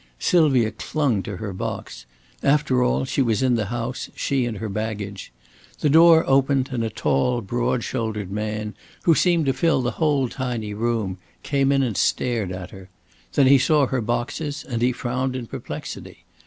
Sylvia clung to her box. After all she was in the house, she and her baggage. The door opened and a tall broad shouldered man, who seemed to fill the whole tiny room, came in and stared at her. Then he saw her boxes, and he frowned in perplexity.